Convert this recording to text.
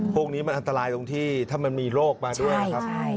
พวกนี้มันอันตรายตรงที่ถ้ามันมีโรคมาด้วยนะครับ